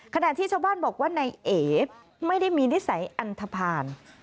ขณะที่ชาวบ้านบอกว่านายเอไม่ได้มีนิสัยอันทภาณ